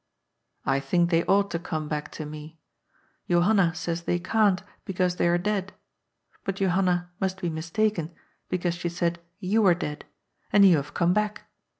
" I think they ought to come back to me. Johanna says they can't, because they are dead. But Johanna must be mistaken, because she said you were dead ; and you have come back.